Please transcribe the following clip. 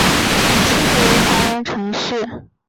妻子为华人陈氏。